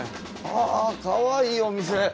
あぁかわいいお店。